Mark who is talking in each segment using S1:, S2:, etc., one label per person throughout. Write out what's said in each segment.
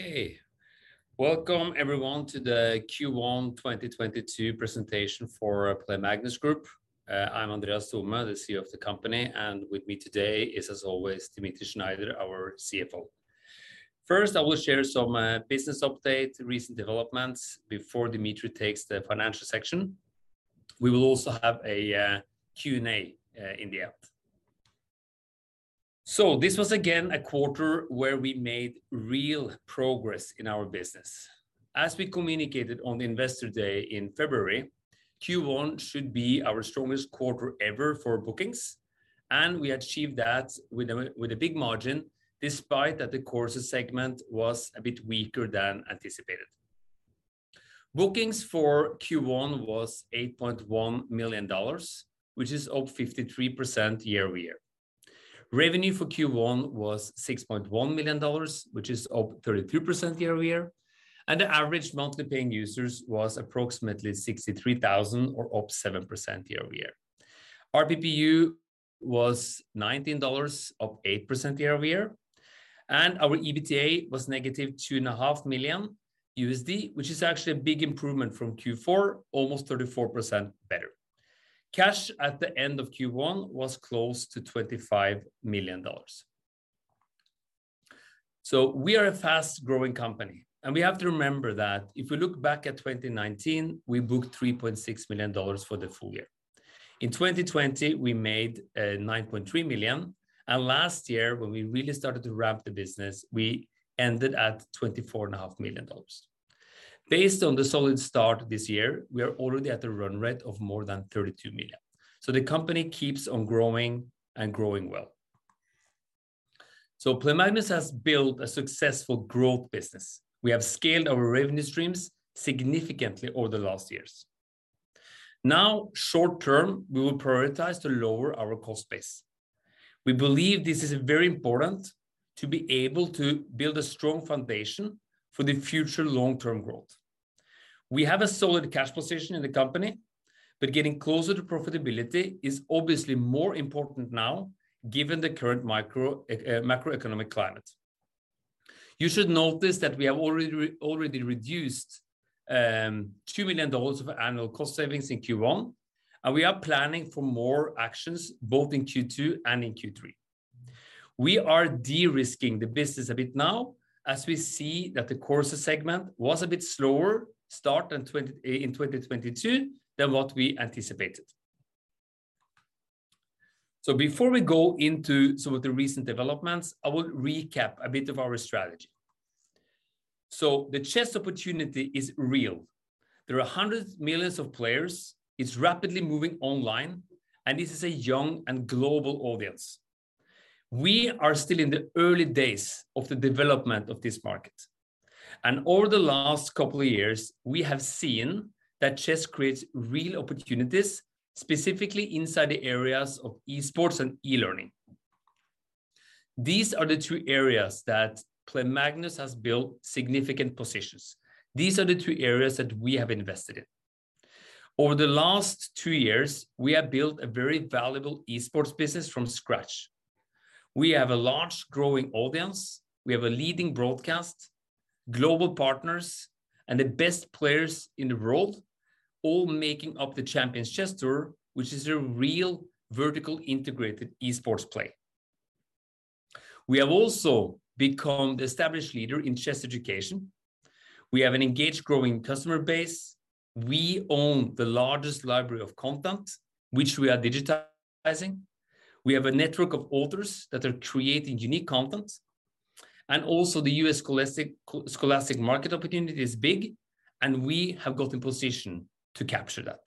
S1: Okay. Welcome everyone to the Q1 2022 presentation for Play Magnus Group. I'm Andreas Thome, the CEO of the company, and with me today is, as always, Dmitri Shneider, our CFO. First, I will share some business update, recent developments, before Dimitri takes the financial section. We will also have a Q&A in the end. This was again a quarter where we made real progress in our business. As we communicated on Investor Day in February, Q1 should be our strongest quarter ever for bookings, and we achieved that with a big margin despite that the courses segment was a bit weaker than anticipated. Bookings for Q1 was $8.1 million, which is up 53% year-over-year. Revenue for Q1 was $6.1 million, which is up 33% year-over-year. The average monthly paying users was approximately 63,000, or up 7% year-over-year. Our PPU was $19, up 8% year-over-year, and our EBITDA was negative $2.5 million USD, which is actually a big improvement from Q4, almost 34% better. Cash at the end of Q1 was close to $25 million. We are a fast-growing company, and we have to remember that if we look back at 2019, we booked $3.6 million for the full year. In 2020, we made $9.3 million, and last year when we really started to ramp the business, we ended at $24.5 million. Based on the solid start this year, we are already at a run rate of more than $32 million, the company keeps on growing and growing well. Play Magnus has built a successful growth business. We have scaled our revenue streams significantly over the last years. Now, short term, we will prioritize to lower our cost base. We believe this is very important to be able to build a strong foundation for the future long-term growth. We have a solid cash position in the company, but getting closer to profitability is obviously more important now given the current macroeconomic climate. You should notice that we have already reduced NOK 2 million of annual cost savings in Q1, and we are planning for more actions both in Q2 and in Q3. We are de-risking the business a bit now as we see that the courses segment was a bit slower start in 2022 than what we anticipated. Before we go into some of the recent developments, I will recap a bit of our strategy. The chess opportunity is real. There are hundreds of millions of players. It's rapidly moving online, and this is a young and global audience. We are still in the early days of the development of this market, and over the last couple of years we have seen that chess creates real opportunities, specifically inside the areas of e-sports and e-learning. These are the two areas that Play Magnus has built significant positions. These are the two areas that we have invested in. Over the last two years, we have built a very valuable e-sports business from scratch. We have a large growing audience. We have a leading broadcast, global partners, and the best players in the world all making up the Champions Chess Tour, which is a real vertically integrated e-sports play. We have also become the established leader in chess education. We have an engaged growing customer base. We own the largest library of content, which we are digitizing. We have a network of authors that are creating unique content, and also the U.S. scholastic market opportunity is big, and we have got in position to capture that.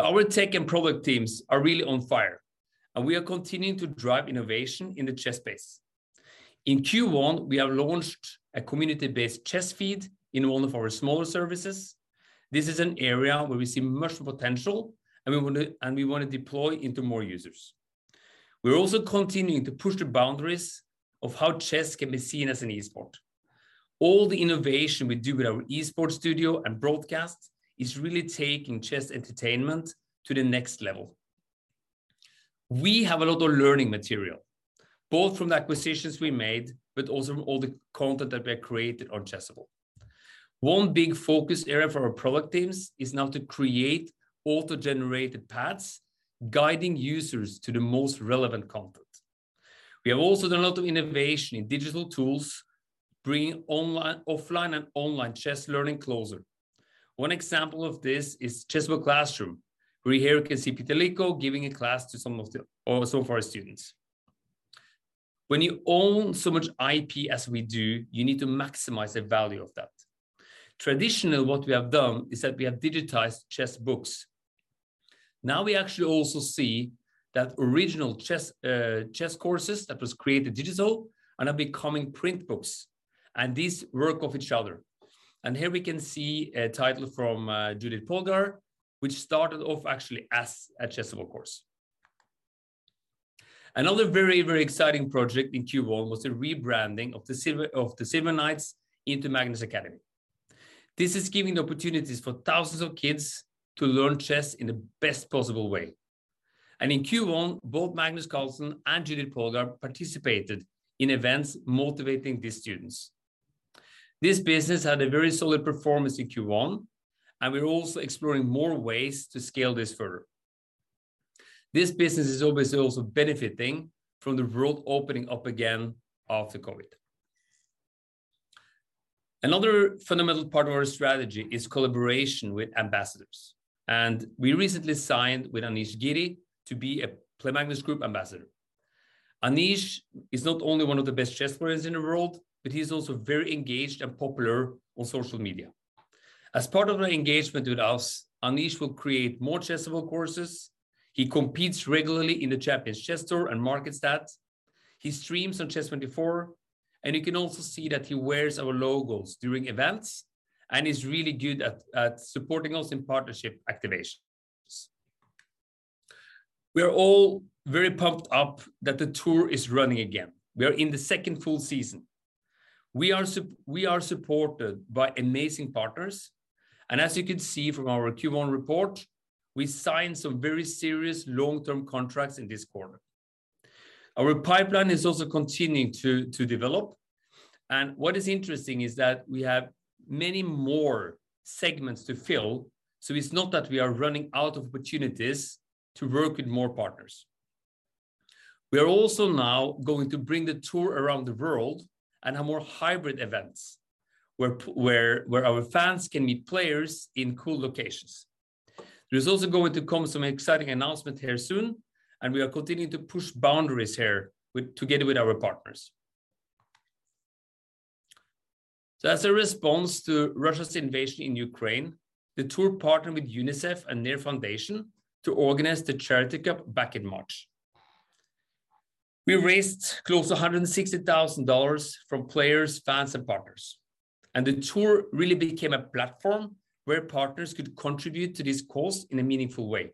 S1: Our tech and product teams are really on fire, and we are continuing to drive innovation in the chess space. In Q1, we have launched a community-based chess feed in one of our smaller services. This is an area where we see much potential, and we want to deploy into more users. We're also continuing to push the boundaries of how chess can be seen as an e-sport. All the innovation we do with our e-sports studio and broadcast is really taking chess entertainment to the next level. We have a lot of learning material, both from the acquisitions we made, but also all the content that we have created on Chessable. One big focus area for our product teams is now to create auto-generated paths guiding users to the most relevant content. We have also done a lot of innovation in digital tools, bringing online and offline chess learning closer. One example of this is Chessable Classroom, where here we can see Peter Leko giving a class to some of our students. When you own so much IP as we do, you need to maximize the value of that. Traditionally, what we have done is that we have digitized chess books. Now, we actually also see that original chess courses that was created digital are now becoming print books, and these work off each other. Here we can see a title from Judit Polgár, which started off actually as a Chessable course. Another very, very exciting project in Q1 was the rebranding of the Silver Knights into Magnus Academy. This is giving opportunities for thousands of kids to learn chess in the best possible way. In Q1, both Magnus Carlsen and Judit Polgár participated in events motivating these students. This business had a very solid performance in Q1, and we're also exploring more ways to scale this further. This business is obviously also benefiting from the world opening up again after COVID. Another fundamental part of our strategy is collaboration with ambassadors, and we recently signed with Anish Giri to be a Play Magnus Group ambassador. Anish is not only one of the best chess players in the world, but he's also very engaged and popular on social media. As part of our engagement with us, Anish will create more Chessable courses, he competes regularly in the Champions Chess Tour and markets that, he streams on chess24, and you can also see that he wears our logos during events and is really good at supporting us in partnership activations. We are all very pumped up that the tour is running again. We are in the second full season. We are supported by amazing partners, and as you can see from our Q1 report, we signed some very serious long-term contracts in this quarter. Our pipeline is also continuing to develop, and what is interesting is that we have many more segments to fill, so it's not that we are running out of opportunities to work with more partners. We are also now going to bring the tour around the world and have more hybrid events where our fans can meet players in cool locations. There's also going to come some exciting announcement here soon, and we are continuing to push boundaries here with, together with our partners. As a response to Russia's invasion in Ukraine, the tour partnered with UNICEF and their foundation to organize the Charity Cup back in March. We raised close to $160,000 from players, fans, and partners, and the tour really became a platform where partners could contribute to this cause in a meaningful way.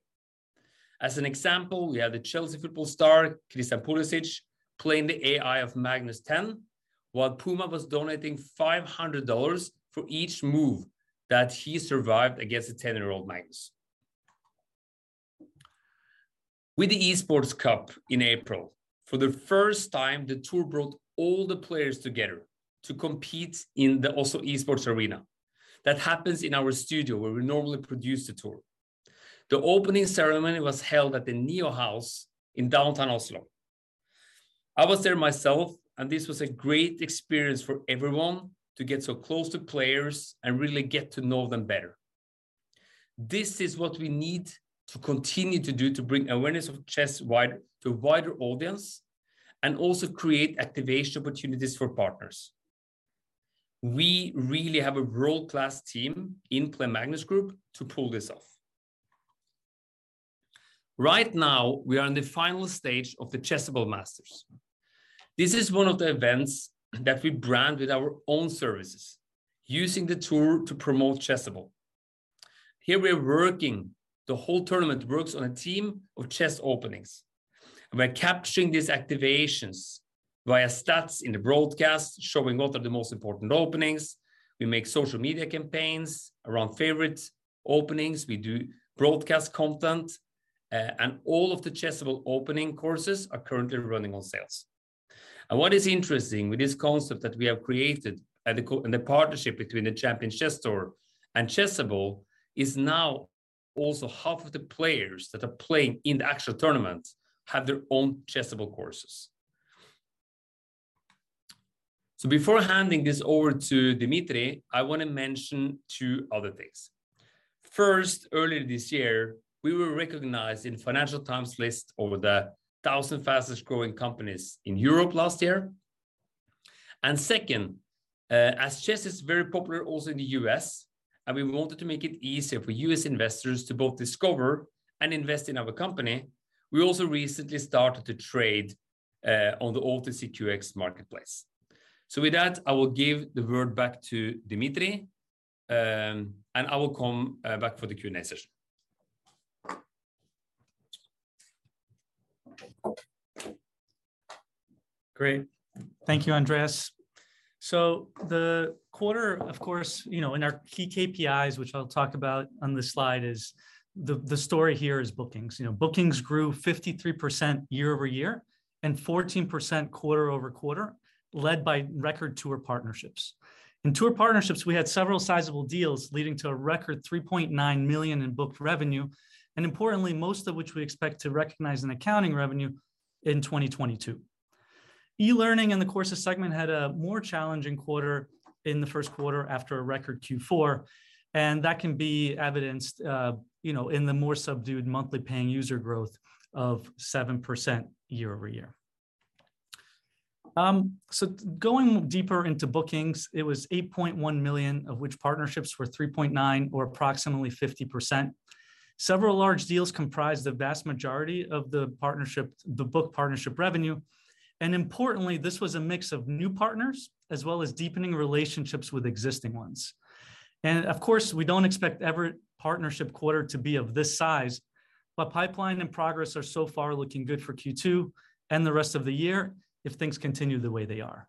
S1: As an example, we had the Chelsea football star, Christian Pulisic, playing the AI of Magnus 10, while Puma was donating $500 for each move that he survived against the 10-year-old Magnus. With the Oslo Esports Cup in April, for the first time the tour brought all the players together to compete in the Oslo Esports Arena. That happens in our studio where we normally produce the tour. The opening ceremony was held at the Neoo House in downtown Oslo. I was there myself, and this was a great experience for everyone to get so close to players and really get to know them better. This is what we need to continue to do to bring awareness of chess to a wider audience and also create activation opportunities for partners. We really have a world-class team in Play Magnus Group to pull this off. Right now, we are in the final stage of the Chessable Masters. This is one of the events that we brand with our own services, using the tour to promote Chessable. Here we are working, the whole tournament works on a theme of chess openings. We're capturing these activations via stats in the broadcast, showing what are the most important openings. We make social media campaigns around favorite openings. We do broadcast content, and all of the Chessable opening courses are currently running on sales. What is interesting with this concept that we have created in the partnership between the Champions Chess Tour and Chessable is now also half of the players that are playing in the actual tournament have their own Chessable courses. Before handing this over to Dmitri, I want to mention two other things. First, earlier this year, we were recognized in Financial Times list of the 1,000 fastest growing companies in Europe last year. Second, as chess is very popular also in the US, and we wanted to make it easier for US investors to both discover and invest in our company, we also recently started to trade on the OTCQX marketplace. With that, I will give the word back to Dmitri, and I will come back for the Q&A session.
S2: Great. Thank you, Andreas. The quarter, of course, you know, in our key KPIs, which I'll talk about on this slide, is the story here is bookings. You know, bookings grew 53% year-over-year and 14% quarter-over-quarter, led by record tour partnerships. In tour partnerships, we had several sizable deals leading to a record $3.9 million in booked revenue, and importantly, most of which we expect to recognize in accounting revenue in 2022. E-learning in the courses segment had a more challenging quarter in the first quarter after a record Q4, and that can be evidenced, you know, in the more subdued monthly paying user growth of 7% year-over-year. Going deeper into bookings, it was $8.1 million of which partnerships were $3.9, or approximately 50%. Several large deals comprised the vast majority of the partnership, the book partnership revenue, and importantly, this was a mix of new partners, as well as deepening relationships with existing ones. Of course, we don't expect every partnership quarter to be of this size, but pipeline and progress are so far looking good for Q2 and the rest of the year if things continue the way they are.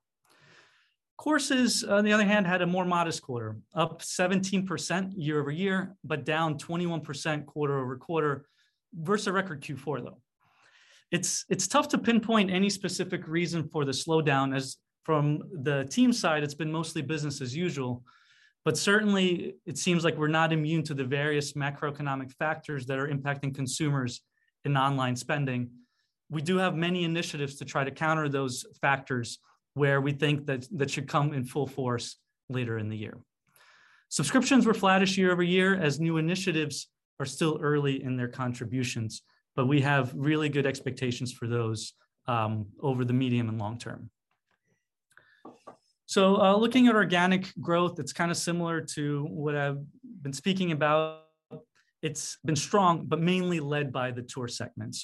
S2: Courses, on the other hand, had a more modest quarter. Up 17% year-over-year, but down 21% quarter-over-quarter, versus a record Q4 though. It's tough to pinpoint any specific reason for the slowdown, as from the team side, it's been mostly business as usual. Certainly it seems like we're not immune to the various macroeconomic factors that are impacting consumers in online spending. We do have many initiatives to try to counter those factors, where we think that that should come in full force later in the year. Subscriptions were flattish year-over-year, as new initiatives are still early in their contributions. We have really good expectations for those over the medium and long term. Looking at organic growth, it's kind of similar to what I've been speaking about. It's been strong, but mainly led by the tour segment.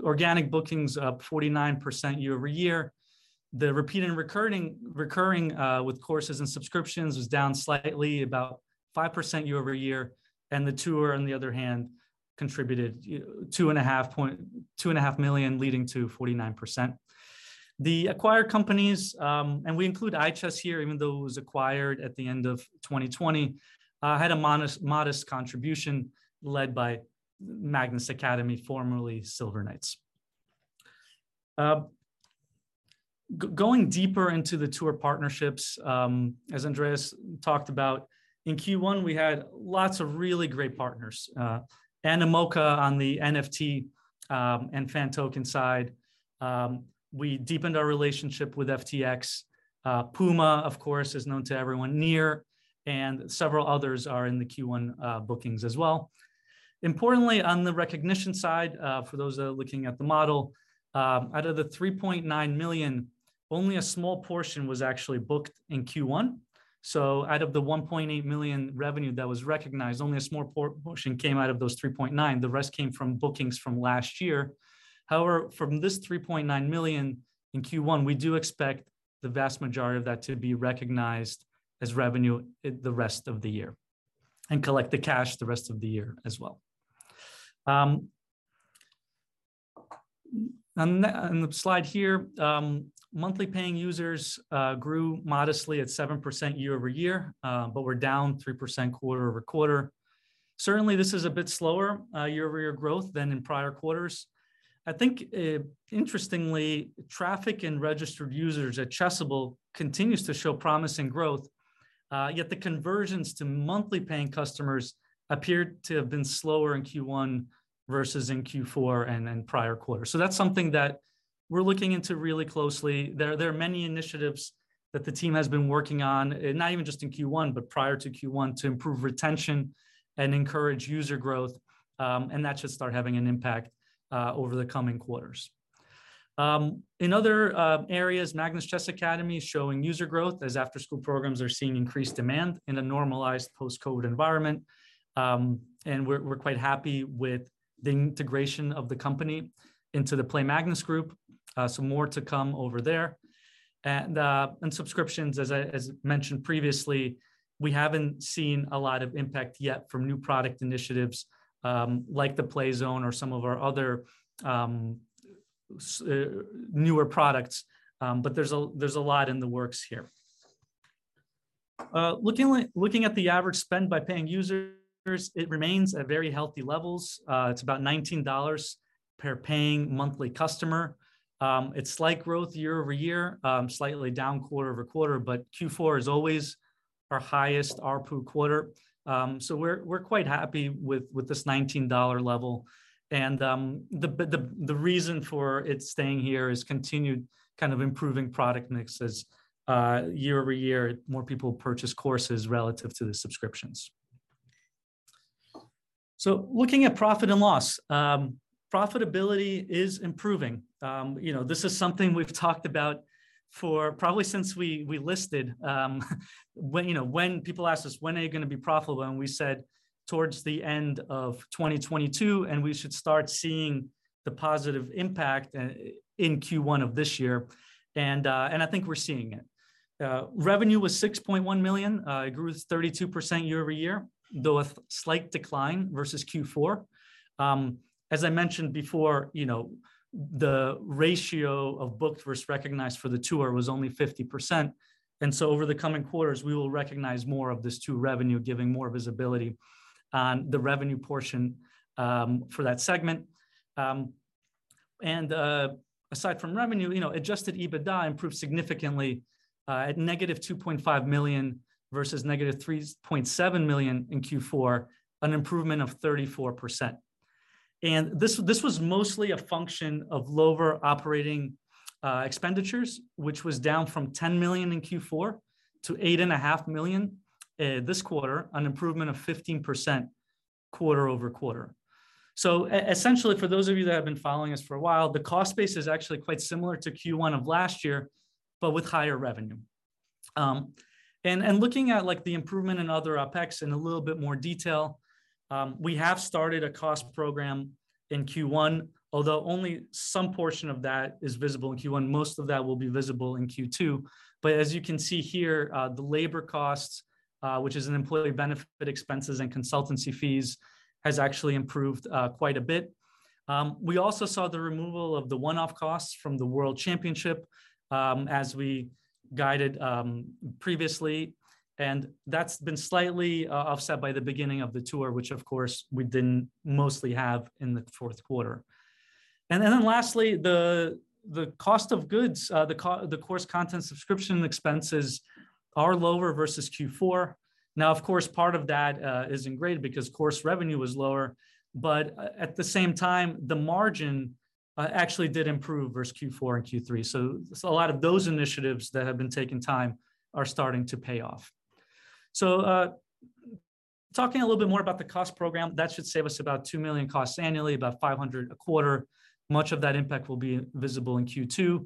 S2: Organic bookings up 49% year-over-year. The repeat and recurring with courses and subscriptions was down slightly, about 5% year-over-year. The tour, on the other hand, contributed 2.5 million, leading to 49%. The acquired companies, and we include iChess here, even though it was acquired at the end of 2020, had a modest contribution led by Magnus Academy, formerly Silver Knights. Going deeper into the tour partnerships, as Andreas talked about, in Q1, we had lots of really great partners. Animoca on the NFT and Fan Token side. We deepened our relationship with FTX. Puma, of course, is known to everyone. NEAR, and several others are in the Q1 bookings as well. Importantly, on the recognition side, for those that are looking at the model, out of the 3.9 million, only a small portion was actually booked in Q1. Out of the 1.8 million revenue that was recognized, only a small portion came out of those 3.9 million. The rest came from bookings from last year. However, from this 3.9 million in Q1, we do expect the vast majority of that to be recognized as revenue in the rest of the year, and collect the cash the rest of the year as well. On the slide here, monthly paying users grew modestly at 7% year-over-year, but we're down 3% quarter-over-quarter. Certainly, this is a bit slower year-over-year growth than in prior quarters. I think, interestingly, traffic in registered users at Chessable continues to show promising growth, yet the conversions to monthly paying customers appear to have been slower in Q1 versus in Q4 and in prior quarters. That's something that we're looking into really closely. There are many initiatives that the team has been working on, not even just in Q1, but prior to Q1, to improve retention and encourage user growth, and that should start having an impact over the coming quarters. In other areas, Magnus Chess Academy is showing user growth as after-school programs are seeing increased demand in a normalized post-COVID environment. We're quite happy with the integration of the company into the Play Magnus Group. So more to come over there. Subscriptions, as I mentioned previously, we haven't seen a lot of impact yet from new product initiatives, like the Playzone or some of our other newer products. But there's a lot in the works here. Looking at the average spend by paying users, it remains at very healthy levels. It's about $19 per paying monthly customer. It's slight growth year-over-year, slightly down quarter-over-quarter, but Q4 is always our highest ARPU quarter. We're quite happy with this $19 level. The reason for it staying here is continued kind of improving product mix as, year-over-year, more people purchase courses relative to the subscriptions. Looking at profit and loss, profitability is improving. You know, this is something we've talked about for probably since we listed, when you know, when people ask us, "When are you gonna be profitable?" We said, "Towards the end of 2022, and we should start seeing the positive impact in Q1 of this year." I think we're seeing it. Revenue was 6.1 million. It grew 32% year-over-year, though a slight decline versus Q4. As I mentioned before, you know, the ratio of booked versus recognized for the tour was only 50%. Over the coming quarters, we will recognize more of this tour revenue, giving more visibility on the revenue portion for that segment. Aside from revenue, you know, adjusted EBITDA improved significantly at negative $2.5 million versus negative $3.7 million in Q4, an improvement of 34%. This was mostly a function of lower operating expenditures, which was down from $10 million in Q4 to $8.5 million this quarter, an improvement of 15% quarter-over-quarter. Essentially, for those of you that have been following us for a while, the cost base is actually quite similar to Q1 of last year, but with higher revenue. Looking at, like, the improvement in other OPEX in a little bit more detail, we have started a cost program in Q1, although only some portion of that is visible in Q1. Most of that will be visible in Q2. As you can see here, the labor costs, which is an employee benefit expenses and consultancy fees, has actually improved quite a bit. We also saw the removal of the one-off costs from the world championship, as we guided previously, and that's been slightly offset by the beginning of the tour which, of course, we didn't mostly have in the fourth quarter. Lastly, the cost of goods, the course content subscription expenses are lower versus Q4. Now of course, part of that is in grade because course revenue was lower. At the same time, the margin actually did improve versus Q4 and Q3. A lot of those initiatives that have been taking time are starting to pay off. Talking a little bit more about the cost program, that should save us about 2 million costs annually, about 500 a quarter. Much of that impact will be visible in Q2.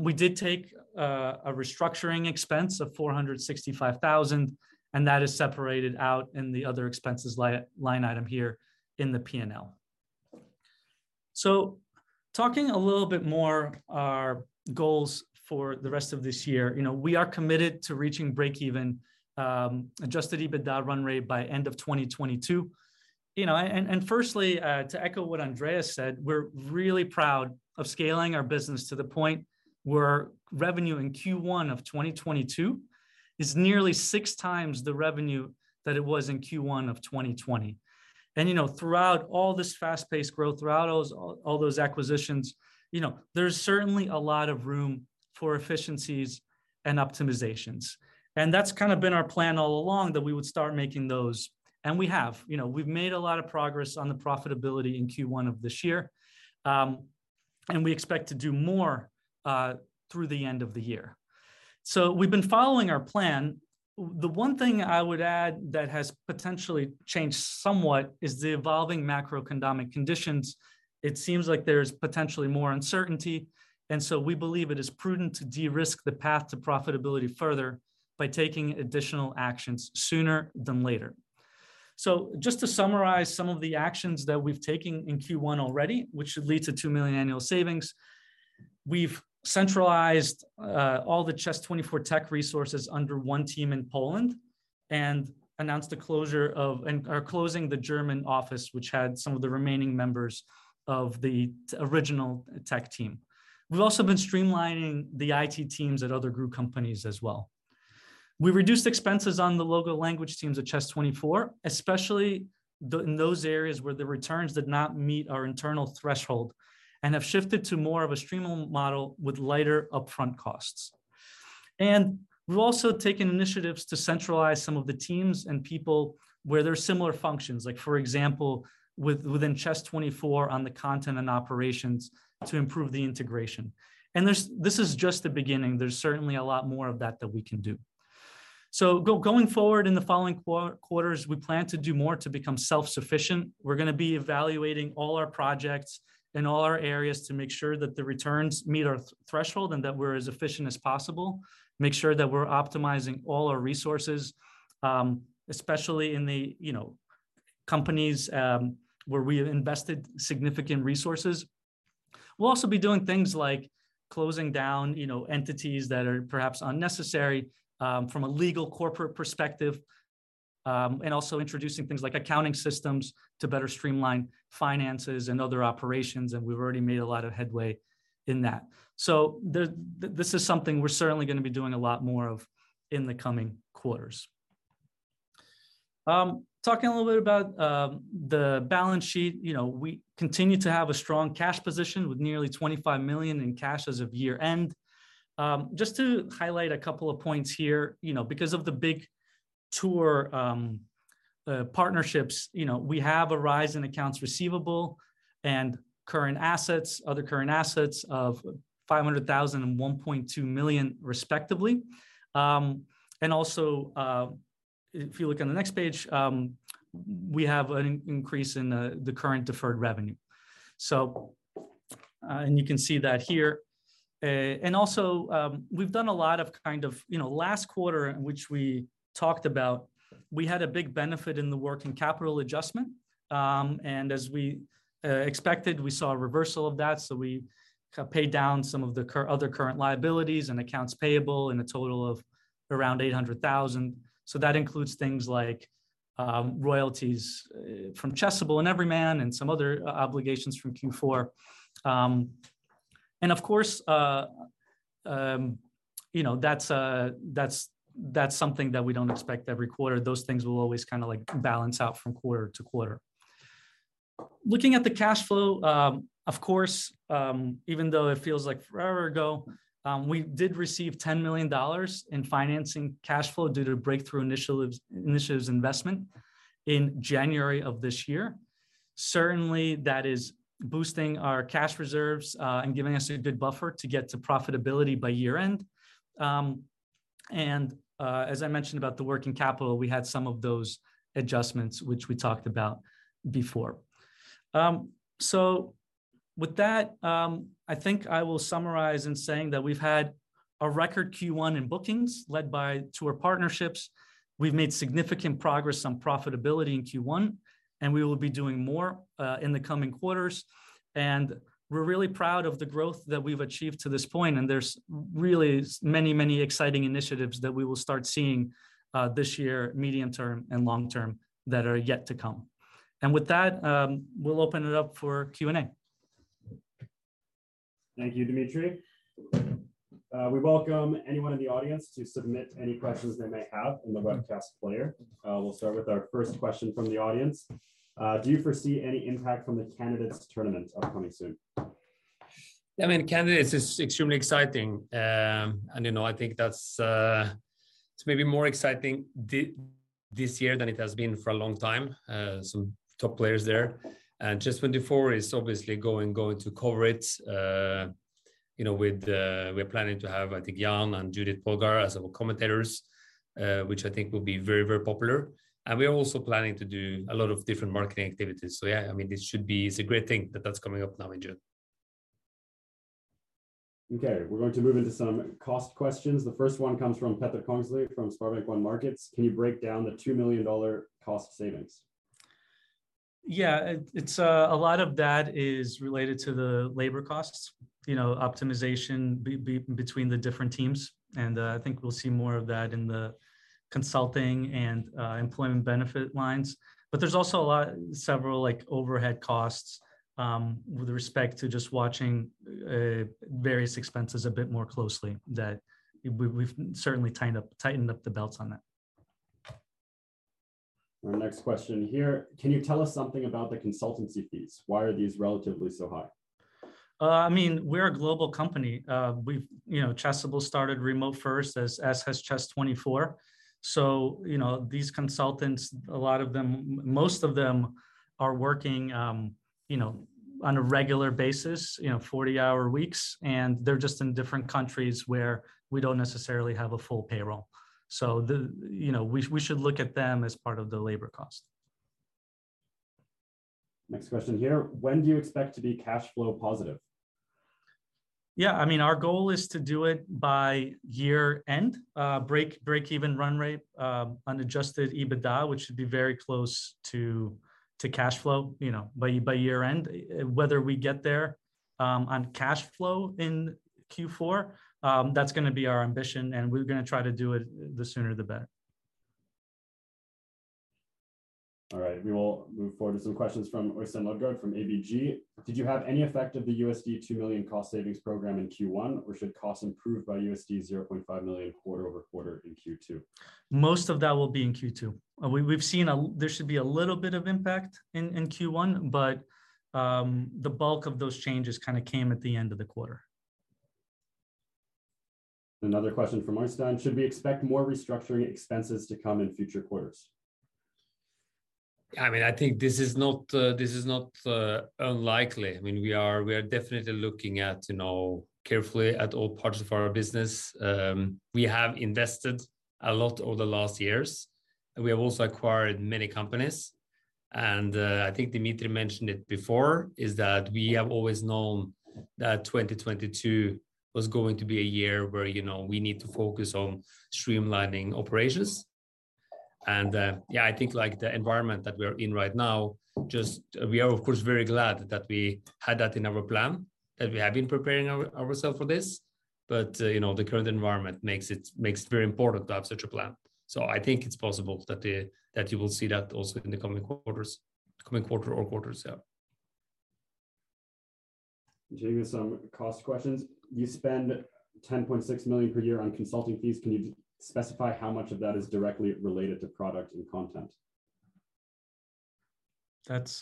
S2: We did take a restructuring expense of 465 thousand, and that is separated out in the other expenses line item here in the P&L. Talking a little bit more about our goals for the rest of this year. You know, we are committed to reaching break-even adjusted EBITDA run rate by end of 2022. You know, and firstly, to echo what Andreas said, we're really proud of scaling our business to the point where revenue in Q1 of 2022 is nearly six times the revenue that it was in Q1 of 2020. You know, throughout all this fast-paced growth, throughout all those acquisitions, you know, there's certainly a lot of room for efficiencies and optimizations. That's kind of been our plan all along, that we would start making those, and we have. You know, we've made a lot of progress on the profitability in Q1 of this year. We expect to do more through the end of the year. We've been following our plan. The one thing I would add that has potentially changed somewhat is the evolving macroeconomic conditions. It seems like there's potentially more uncertainty, and so we believe it is prudent to de-risk the path to profitability further by taking additional actions sooner than later. Just to summarize some of the actions that we've taken in Q1 already, which should lead to 2 million annual savings, we've centralized all the chess24 tech resources under one team in Poland and announced the closure and are closing the German office which had some of the remaining members of the original tech team. We've also been streamlining the IT teams at other group companies as well. We reduced expenses on the local language teams at chess24, especially in those areas where the returns did not meet our internal threshold, and have shifted to more of a streaming model with lighter upfront costs. We've also taken initiatives to centralize some of the teams and people where there are similar functions, like for example, within chess24 on the content and operations to improve the integration. This is just the beginning. There's certainly a lot more of that we can do. Going forward in the following quarters, we plan to do more to become self-sufficient. We're gonna be evaluating all our projects in all our areas to make sure that the returns meet our threshold and that we're as efficient as possible, make sure that we're optimizing all our resources, especially in the, you know, companies where we have invested significant resources. We'll also be doing things like closing down, you know, entities that are perhaps unnecessary from a legal corporate perspective, and also introducing things like accounting systems to better streamline finances and other operations, and we've already made a lot of headway in that. This is something we're certainly gonna be doing a lot more of in the coming quarters. Talking a little bit about the balance sheet. You know, we continue to have a strong cash position with nearly 25 million in cash as of year-end. Just to highlight a couple of points here. You know, because of the big tour partnerships, you know, we have a rise in accounts receivable and other current assets of 500,000 and 1.2 million respectively. If you look on the next page, we have an increase in the current deferred revenue. You can see that here. We've done a lot of kind of, you know, last quarter in which we talked about we had a big benefit in the working capital adjustment. As we expected, we saw a reversal of that, so we paid down some of the other current liabilities and accounts payable in a total of around 800,000. That includes things like royalties from Chessable and Everyman and some other obligations from Q4. Of course, you know, that's something that we don't expect every quarter. Those things will always kind of like balance out from quarter to quarter. Looking at the cash flow, of course, even though it feels like forever ago, we did receive $10 million in financing cash flow due to Breakthrough Initiatives' investment in January of this year. Certainly, that is boosting our cash reserves and giving us a good buffer to get to profitability by year-end. As I mentioned about the working capital, we had some of those adjustments which we talked about before. With that, I think I will summarize in saying that we've had a record Q1 in bookings led by tour partnerships. We've made significant progress on profitability in Q1, and we will be doing more in the coming quarters. We're really proud of the growth that we've achieved to this point, and there's really many exciting initiatives that we will start seeing this year, medium term and long term, that are yet to come. With that, we'll open it up for Q&A.
S3: Thank you, Dmitri. We welcome anyone in the audience to submit any questions they may have in the webcast player. We'll start with our first question from the audience. Do you foresee any impact from the Candidates Tournament upcoming soon?
S1: I mean, Candidates is extremely exciting. You know, I think that's, it's maybe more exciting this year than it has been for a long time. Some top players there. chess24 is obviously going to cover it. You know, with, we're planning to have, I think, Jan and Judit Polgár as our commentators, which I think will be very, very popular. We are also planning to do a lot of different marketing activities. Yeah, I mean, this should be. It's a great thing that that's coming up now in June.
S3: Okay, we're going to move into some cost questions. The first one comes from Petter Kongslie from SpareBank 1 Markets: Can you break down the $2 million cost savings?
S2: Yeah. It's a lot of that is related to the labor costs, you know, optimization between the different teams. I think we'll see more of that in the consulting and employment benefit lines. There's also several like overhead costs with respect to just watching various expenses a bit more closely that we've certainly tightened up the belts on that.
S3: Our next question here: Can you tell us something about the consultancy fees? Why are these relatively so high?
S2: I mean, we're a global company. We've, you know, Chessable started remote first, as has chess24. You know, these consultants, a lot of them, most of them are working, you know, on a regular basis, you know, 40-hour weeks, and they're just in different countries where we don't necessarily have a full payroll. You know, we should look at them as part of the labor cost.
S3: Next question here: When do you expect to be cash flow positive?
S2: I mean, our goal is to do it by year-end. Break-even run rate, unadjusted EBITDA, which should be very close to cash flow, you know, by year-end. Whether we get there on cash flow in Q4, that's gonna be our ambition, and we're gonna try to do it the sooner the better.
S3: All right, we will move forward to some questions from Øystein Lodgaard from ABG: Did you have any effect of the $2 million cost savings program in Q1, or should costs improve by $0.5 million quarter-over-quarter in Q2?
S2: Most of that will be in Q2. There should be a little bit of impact in Q1, but the bulk of those changes kind of came at the end of the quarter.
S3: Another question from Øystein: Should we expect more restructuring expenses to come in future quarters?
S1: I mean, I think this is not unlikely. I mean, we are definitely looking at, you know, carefully at all parts of our business. We have invested a lot over the last years, and we have also acquired many companies. I think Dimitri mentioned it before, is that we have always known that 2022 was going to be a year where, you know, we need to focus on streamlining operations. Yeah, I think, like, the environment that we're in right now. We are of course very glad that we had that in our plan, that we have been preparing ourselves for this. You know, the current environment makes it very important to have such a plan. I think it's possible that you will see that also in the coming quarter or quarters, yeah.
S3: Continuing with some cost questions. You spend 10.6 million per year on consulting fees. Can you specify how much of that is directly related to product and content?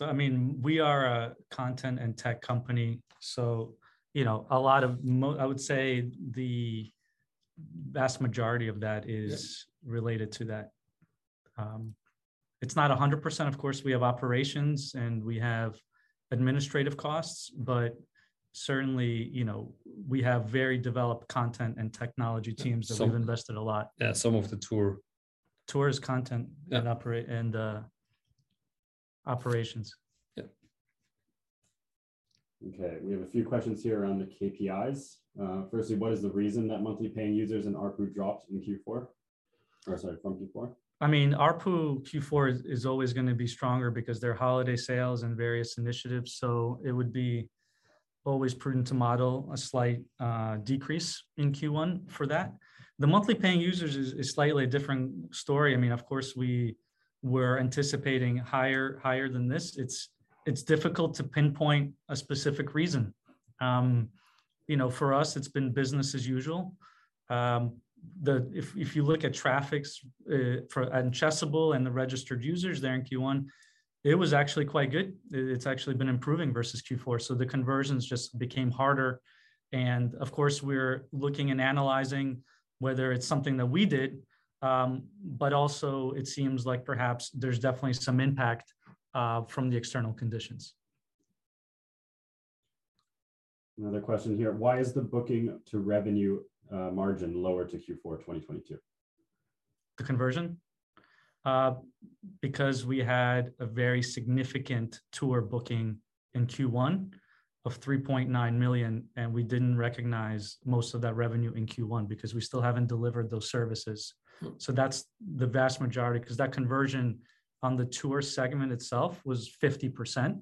S2: I mean, we are a content and tech company, so, you know, a lot of, I would say, the vast majority of that is related to that. It's not 100%, of course. We have operations, and we have administrative costs. Certainly, you know, we have very developed content and technology teams.
S1: Some-
S2: that we've invested a lot.
S1: Yeah, some of the tour.
S2: Tour is content.
S1: Yeah...
S2: and operations.
S1: Yeah.
S3: Okay, we have a few questions here around the KPIs. Firstly, what is the reason that monthly paying users and ARPU dropped from Q4?
S2: I mean, ARPU Q4 is always gonna be stronger because there are holiday sales and various initiatives, so it would be always prudent to model a slight decrease in Q1 for that. The monthly paying users is slightly a different story. I mean, of course we were anticipating higher than this. It's difficult to pinpoint a specific reason. You know, for us, it's been business as usual. If you look at traffic for Chessable and the registered users there in Q1, it was actually quite good. It's actually been improving versus Q4, so the conversions just became harder. Of course, we're looking and analyzing whether it's something that we did. Also it seems like perhaps there's definitely some impact from the external conditions.
S3: Another question here: Why is the booking to revenue margin lower than Q4 2022?
S2: The conversion? Because we had a very significant tour booking in Q1 of 3.9 million, and we didn't recognize most of that revenue in Q1 because we still haven't delivered those services.
S1: Mm.
S2: That's the vast majority, because that conversion on the tour segment itself was 50%.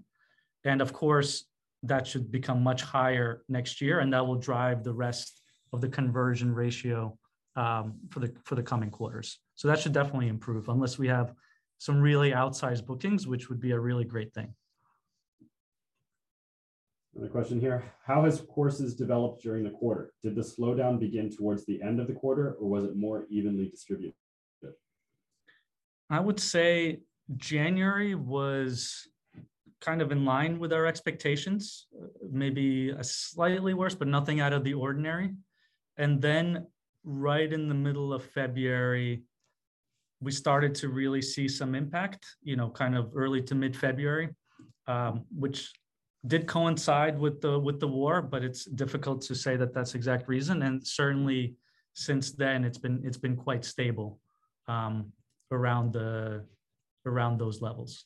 S2: Of course, that should become much higher next year, and that will drive the rest of the conversion ratio for the coming quarters. That should definitely improve, unless we have some really outsized bookings, which would be a really great thing.
S3: Another question here: How has courses developed during the quarter? Did the slowdown begin towards the end of the quarter, or was it more evenly distributed?
S2: I would say January was kind of in line with our expectations, maybe slightly worse, but nothing out of the ordinary. Then right in the middle of February, we started to really see some impact, you know, kind of early to mid-February, which did coincide with the war, but it's difficult to say that that's the exact reason. Certainly since then, it's been quite stable around those levels.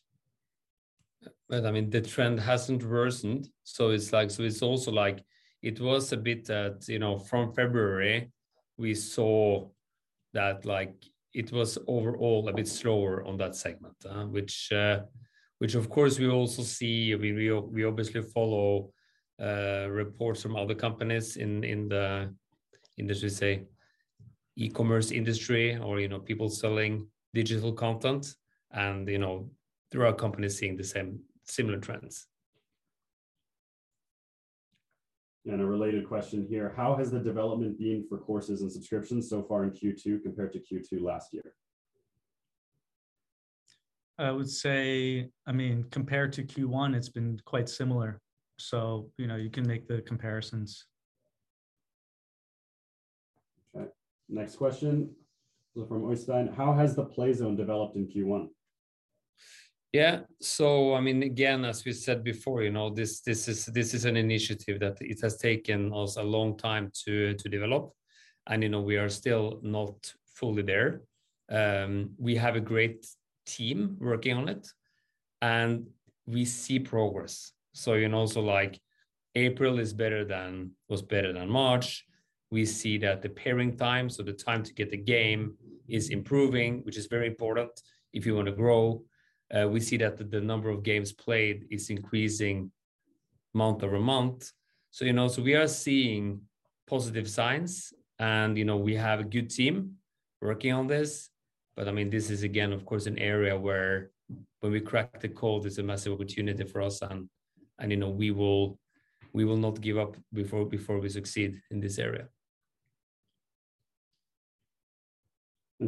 S1: I mean, the trend hasn't worsened, so it's like it's also like it was a bit that, you know, from February, we saw that, like, it was overall a bit slower on that segment. Which of course we also see, we obviously follow reports from other companies in the industry, say, e-commerce industry or, you know, people selling digital content and, you know, there are companies seeing the same similar trends.
S3: A related question here: How has the development been for courses and subscriptions so far in Q2 compared to Q2 last year?
S2: I would say, I mean, compared to Q1, it's been quite similar, so, you know, you can make the comparisons.
S3: Okay. Next question from Øystein: How has the Playzone developed in Q1?
S1: Yeah. I mean, again, as we said before, you know, this is an initiative that it has taken us a long time to develop, and you know, we are still not fully there. We have a great team working on it, and we see progress. You know, like April was better than March. We see that the pairing time, so the time to get the game, is improving, which is very important if you want to grow. We see that the number of games played is increasing month-over-month. You know, so we are seeing positive signs and, you know, we have a good team working on this. I mean, this is again, of course, an area where when we crack the code, it's a massive opportunity for us and you know, we will not give up before we succeed in this area.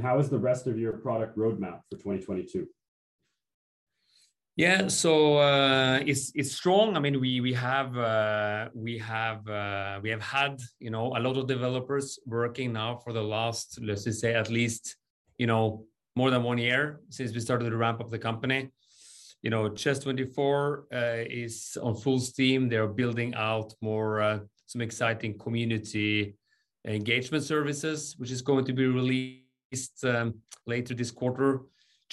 S3: How is the rest of your product roadmap for 2022?
S1: Yeah, it's strong. I mean, we have had, you know, a lot of developers working now for the last, let's just say at least, you know, more than one year since we started the ramp of the company. You know, chess24 is on full steam. They are building out more some exciting community engagement services, which is going to be released later this quarter.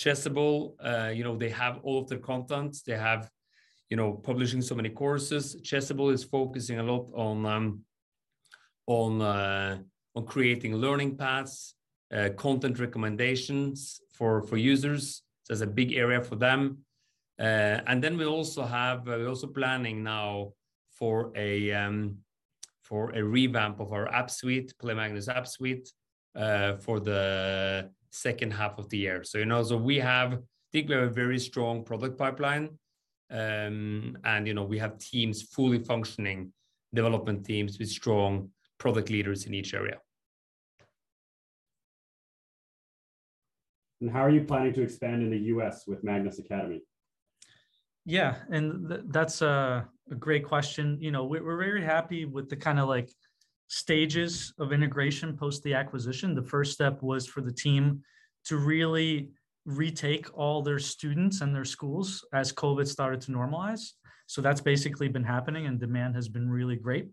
S1: Chessable, you know, they have all of their content. They have, you know, publishing so many courses. Chessable is focusing a lot on creating learning paths, content recommendations for users. It's a big area for them. We're also planning now for a revamp of our app suite, Play Magnus App Suite, for the second half of the year. You know, we have particularly a very strong product pipeline, and you know, we have teams fully functioning, development teams with strong product leaders in each area.
S3: How are you planning to expand in the U.S. with Magnus Academy?
S2: Yeah. That's a great question. You know, we're very happy with the kind of like stages of integration post the acquisition. The first step was for the team to really retake all their students and their schools as COVID started to normalize. That's basically been happening, and demand has been really great,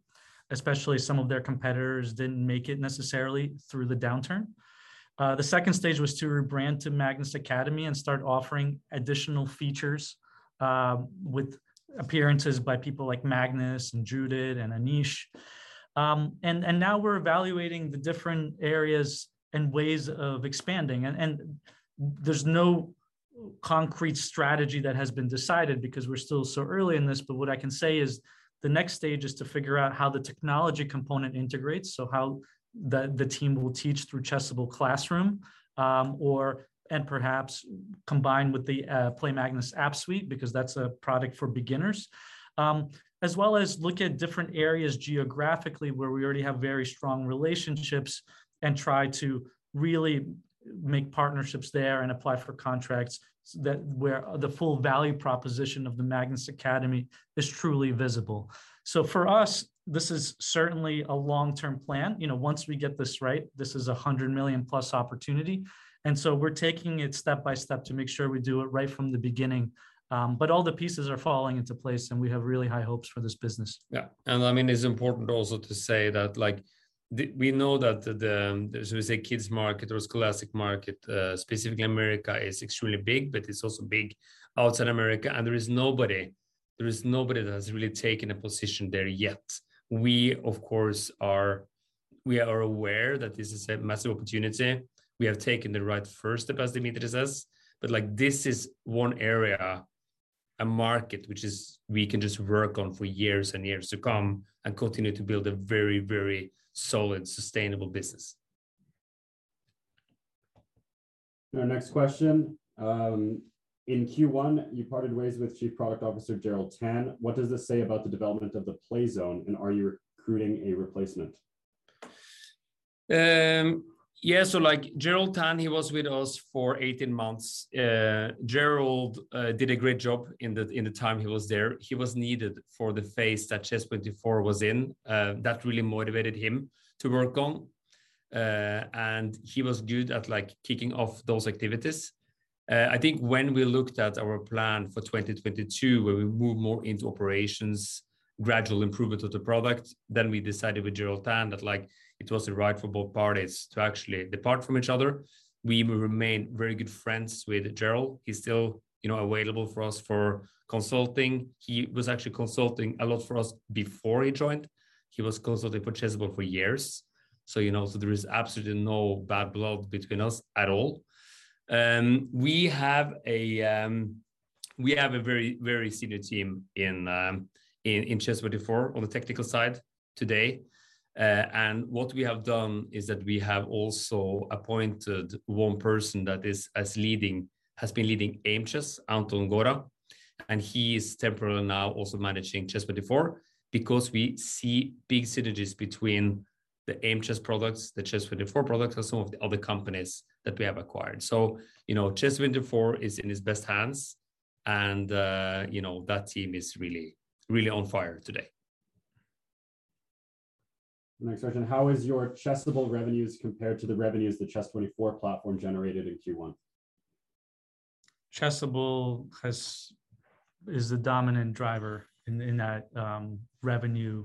S2: especially some of their competitors didn't make it necessarily through the downturn. The second stage was to rebrand to Magnus Academy and start offering additional features with appearances by people like Magnus and Judit and Anish. Now we're evaluating the different areas and ways of expanding, and there's no concrete strategy that has been decided because we're still so early in this. What I can say is the next stage is to figure out how the technology component integrates, so how the team will teach through Chessable Classroom, and perhaps combine with the Play Magnus App Suite because that's a product for beginners, as well as look at different areas geographically where we already have very strong relationships and try to really make partnerships there and apply for contracts where the full value proposition of the Magnus Academy is truly visible. For us, this is certainly a long-term plan. You know, once we get this right, this is a 100 million+ opportunity, and we're taking it step by step to make sure we do it right from the beginning. All the pieces are falling into place, and we have really high hopes for this business.
S1: Yeah. I mean, it's important also to say that, like, we know that the, as we say, kids market or scholastic market, specifically America, is extremely big, but it's also big outside America, and there is nobody that has really taken a position there yet. We, of course, are aware that this is a massive opportunity. We have taken the right first steps, Dmitri says, but, like, this is one area, a market which is we can just work on for years and years to come and continue to build a very, very solid, sustainable business.
S3: Our next question, in Q1, you parted ways with Chief Product Officer Gerald Tan. What does this say about the development of the Playzone, and are you recruiting a replacement?
S1: Like, Gerald Tan, he was with us for 18 months. Gerald did a great job in the time he was there. He was needed for the phase that chess24 was in, that really motivated him to work on. He was good at, like, kicking off those activities. I think when we looked at our plan for 2022, where we moved more into operations, gradual improvement of the product, then we decided with Gerald Tan that, like, it was the right for both parties to actually depart from each other. We remain very good friends with Gerald. He's still, you know, available for us for consulting. He was actually consulting a lot for us before he joined. He was consulting for Chessable for years. You know, there is absolutely no bad blood between us at all. We have a very senior team in chess24 on the technical side today. What we have done is that we have also appointed one person that has been leading Aimchess, Anton Gora. He is temporarily now also managing chess24 because we see big synergies between the Aimchess products, the chess24 products, and some of the other companies that we have acquired. You know, chess24 is in his best hands and, you know, that team is really on fire today.
S3: Next question. How is your Chessable revenues compared to the revenues the chess24 platform generated in Q1?
S2: Chessable is the dominant driver in that revenue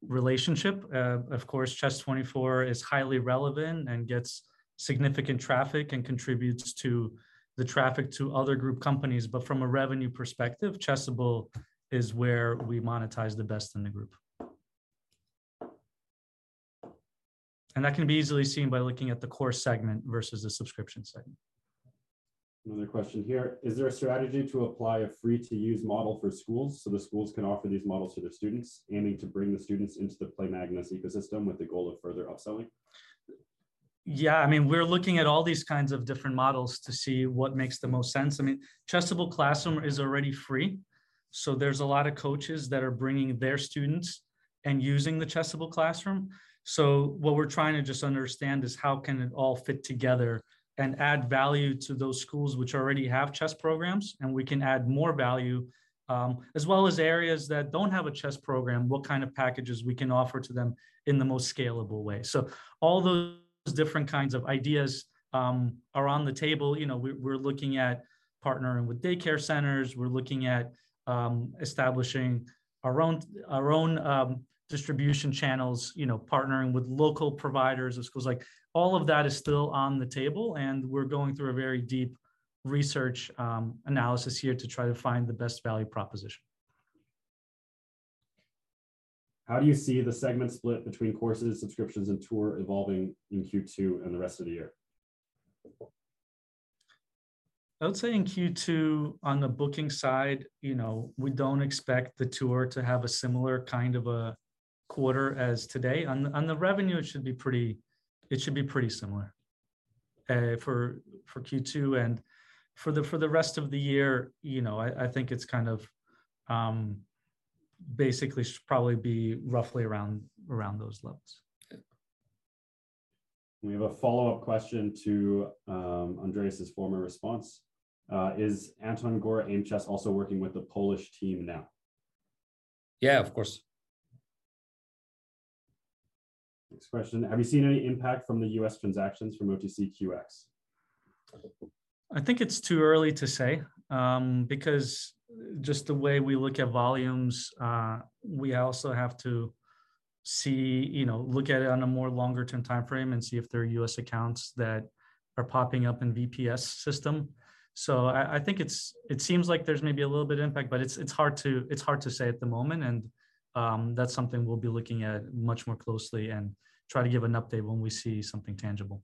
S2: relationship. Of course, Chess24 is highly relevant and gets significant traffic and contributes to the traffic to other group companies. From a revenue perspective, Chessable is where we monetize the best in the group. That can be easily seen by looking at the course segment versus the subscription segment.
S3: Another question here. Is there a strategy to apply a free-to-use model for schools so the schools can offer these models to their students, aiming to bring the students into the Play Magnus ecosystem with the goal of further upselling?
S2: Yeah. I mean, we're looking at all these kinds of different models to see what makes the most sense. I mean, Chessable Classroom is already free, so there's a lot of coaches that are bringing their students and using the Chessable Classroom. What we're trying to just understand is how can it all fit together and add value to those schools which already have chess programs, and we can add more value, as well as areas that don't have a chess program, what kind of packages we can offer to them in the most scalable way. All those different kinds of ideas are on the table. You know, we're looking at partnering with daycare centers. We're looking at establishing our own distribution channels, you know, partnering with local providers of schools. Like, all of that is still on the table, and we're going through a very deep research, analysis here to try to find the best value proposition.
S3: How do you see the segment split between courses, subscriptions, and tour evolving in Q2 and the rest of the year?
S2: I would say in Q2, on the booking side, you know, we don't expect the tour to have a similar kind of a quarter as today. On the revenue, it should be pretty similar for Q2. For the rest of the year, you know, I think it's kind of basically should probably be roughly around those levels.
S3: We have a follow-up question to Andreas' former response. Is Anton Gora AimChess also working with the Polish team now?
S1: Yeah, of course.
S3: Next question. Have you seen any impact from the U.S. transactions from OTCQX?
S2: I think it's too early to say, because just the way we look at volumes, we also have to see, you know, look at it on a more longer-term timeframe and see if there are US accounts that are popping up in VPS system. I think it seems like there's maybe a little bit of impact, but it's hard to say at the moment. That's something we'll be looking at much more closely and try to give an update when we see something tangible.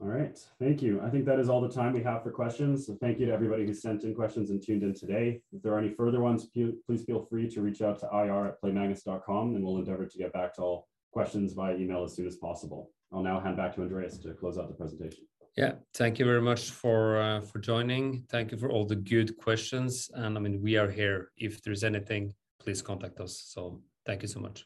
S3: All right. Thank you. I think that is all the time we have for questions, so thank you to everybody who sent in questions and tuned in today. If there are any further ones, please feel free to reach out to ir@playmagnus.com and we'll endeavor to get back to all questions via email as soon as possible. I'll now hand back to Andreas to close out the presentation.
S1: Thank you very much for joining. Thank you for all the good questions. I mean, we are here. If there's anything, please contact us. Thank you so much.